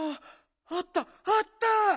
あったあった！